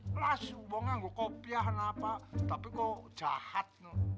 klas wongnya gak kopiah apa tapi kok jahat